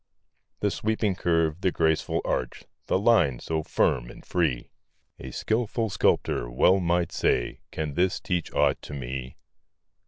The sweeping curve, the graceful arch, The line so firm and free; A skilful sculptor well might say: "Can this teach aught to me?"